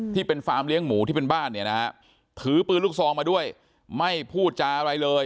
ที่เป็นฟาร์มเลี้ยงหมูที่เป็นบ้านถือปืนลูกซองมาด้วยไม่พูดจาอะไรเลย